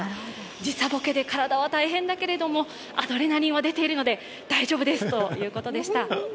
時差ぼけで体は大変だけど、アドレナリンは出ているので大丈夫ですということでした。